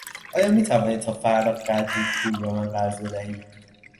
آیا میتوانی تا فردا قدری پول به من قرض بدهی؟